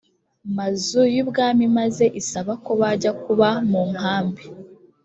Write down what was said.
mazu y ubwami maze isaba ko bajya kuba mu nkambi